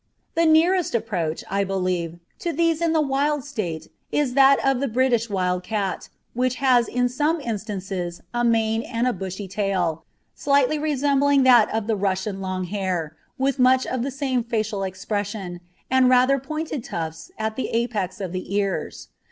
The nearest approach, I believe, to these in the wild state is that of the British wild cat, which has in some instances a mane and a bushy tail, slightly resembling that of the Russian long hair, with much of the same facial expression, and rather pointed tufts at the apex of the ears.